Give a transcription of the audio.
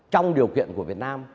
trong điều kiện của việt nam